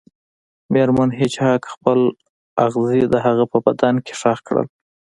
میرمن هیج هاګ خپل اغزي د هغه په بدن کې ښخ کړل